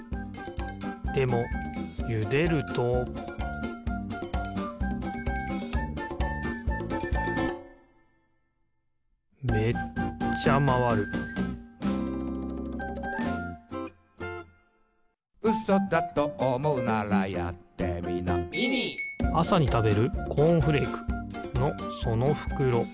でもゆでるとめっちゃまわるあさにたべるコーンフレークのそのふくろ。